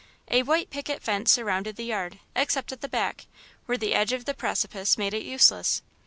A white picket fence surrounded the yard, except at the back, where the edge of the precipice made it useless.